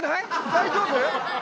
大丈夫？